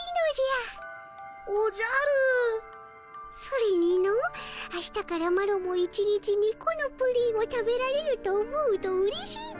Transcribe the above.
それにの明日からマロも１日２このプリンを食べられると思うとうれしい。